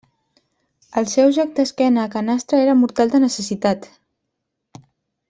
El seu joc d'esquena a canastra era mortal de necessitat.